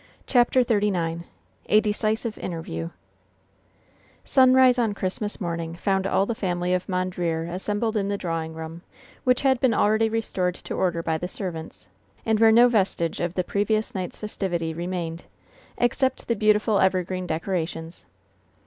CHAPTER XXXIX A DECISIVE INTERVIEW Sunrise on Christmas morning found all the family of Mondreer assembled in the drawing room, which had been already restored to order by the servants, and where no vestige of the previous night's festivity remained, except the beautiful evergreen decorations.